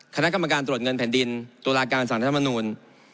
คณะกรรมการตรวจเงินแผ่นดินตัวลาการสั่งท่านมนุษย์